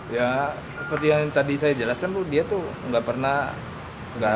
ya seperti yang tadi saya jelasin tuh dia tuh gak pernah